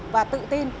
và tự tin